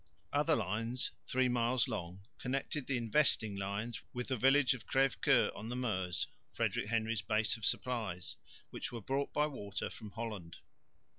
Other lines, three miles long, connected the investing lines with the village of Crèvecceur on the Meuse, Frederick Henry's base of supplies, which were brought by water from Holland.